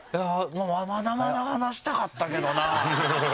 まだまだ話したかったけどな。